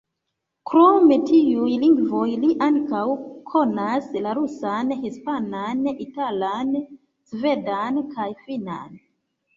Krom tiuj lingvoj li ankaŭ konas la rusan, hispanan, italan, svedan kaj finnan.